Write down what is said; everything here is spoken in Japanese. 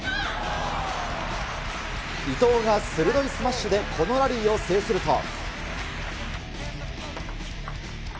伊藤が鋭いスマッシュで、このラリーを制すると。